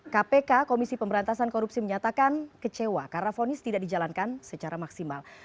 kpk komisi pemberantasan korupsi menyatakan kecewa karena fonis tidak dijalankan secara maksimal